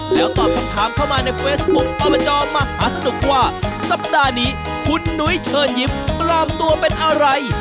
แล้วตอบคำถามเข้ามาในเฟซบุ๊คอบจมหาสนุกว่าสัปดาห์นี้คุณนุ้ยเชิญยิ้มปลอมตัวเป็นอะไร